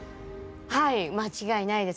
はい間違いないです。